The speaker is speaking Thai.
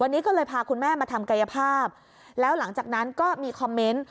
วันนี้ก็เลยพาคุณแม่มาทำกายภาพแล้วหลังจากนั้นก็มีคอมเมนต์